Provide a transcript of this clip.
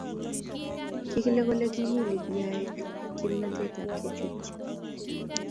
Kikile kole kimi Libyaek kimnatet ab kechyutyi.